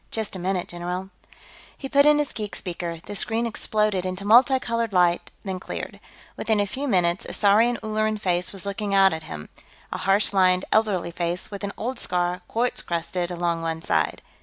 "Just a minute, general." He put in his geek speaker. The screen exploded into multi colored light, then cleared. Within a few minutes, a saurian Ulleran face was looking out of it at him a harsh lined, elderly face, with an old scar, quartz crusted, along one side.